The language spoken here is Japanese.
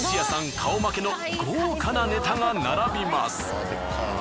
顔負けの豪華なネタが並びます。